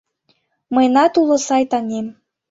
Мыйынат уло сай таҥем -